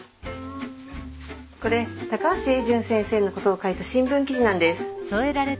これ高橋榮順先生のことを書いた新聞記事なんです。